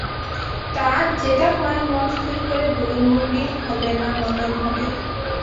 তা, যেটা হয় মন স্থির করে বলুন– মুর্গি হবে না মটন হবে?